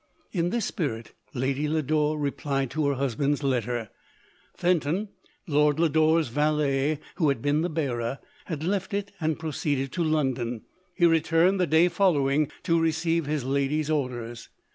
In this spirit Lady Lodore replied to her husband's letter. Fenton, Lord Lodore's valet, who had been the bearer, had left it, and proceeded to London. He returned the day following, to receive his lady's orders.